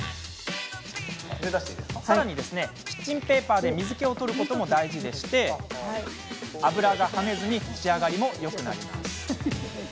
さらに、キッチンペーパーで水けを取ることも大事でして油が跳ねず仕上がりもよくなります。